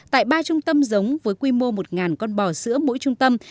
tại ba trung tâm giống với quy mô một con bò sữa mỗi trung tâm